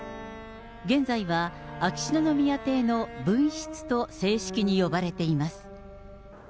現在は秋篠宮邸の分室と正式に呼ばれています。